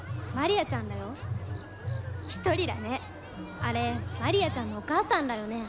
あれマリアちゃんのお母さんらよね。